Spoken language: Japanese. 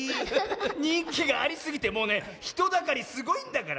にんきがありすぎてもうねひとだかりすごいんだから。